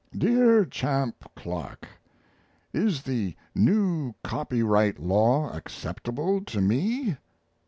DEAR CHAMP CLARK, Is the new copyright law acceptable to me?